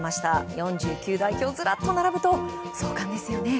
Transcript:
４９代表ずらっと並ぶと壮観ですよね。